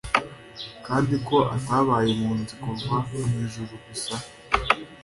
kandi ko atabaye impunzi kuva mu ijuru gusa,